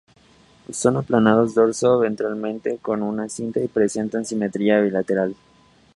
Son aplanados dorso-ventralmente como una cinta y presentan simetría bilateral.